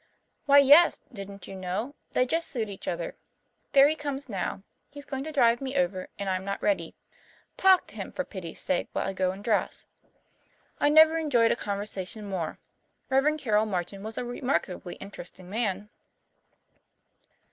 "Why, yes. Didn't you know? They just suit each other. There he comes now. He's going to drive me over, and I'm not ready. Talk to him, for pity's sake, while I go and dress." I never enjoyed a conversation more. Rev. Carroll Martin was a remarkably interesting man.